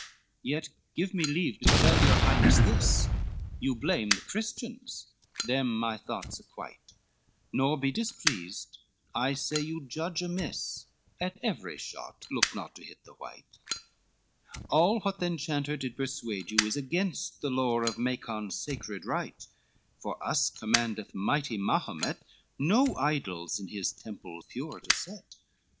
L "Yet give me leave to tell your Highness this, You blame the Christians, them my thoughts acquite, Nor be displeased, I say you judge amiss, At every shot look not to hit the white, All what the enchanter did persuade you, is Against the lore of Macon's sacred rite, For us commandeth mighty Mahomet No idols in his temple pure to set.